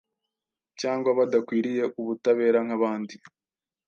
cyangwa badakwiriye ubutabera nkabandi